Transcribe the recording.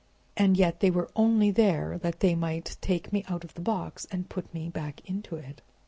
And yet they were only there that they might take me out of the box and put me back into it."